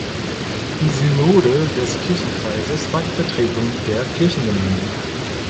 Die Synode des Kirchenkreises war die Vertretung der Kirchengemeinden.